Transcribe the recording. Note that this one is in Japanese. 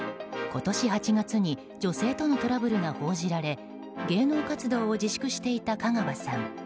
今年８月に女性とのトラブルが報じられ芸能活動を自粛していた香川さん。